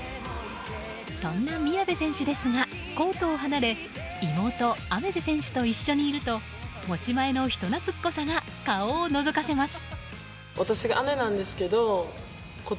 そんな宮部選手ですがコートを離れ妹・愛芽世選手と一緒にいると持ち前の人懐っこさが顔をのぞかせます。